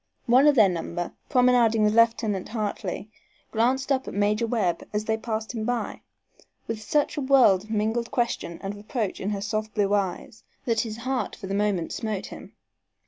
One of their number, promenading with Lieutenant Hartley, glanced up at Major Webb as they passed him by, with such a world of mingled question and reproach in her soft blue eyes that his heart for the moment smote him.